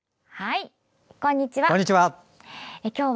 こんにちは。